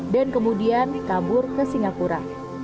dan kemudian kabur ke singapura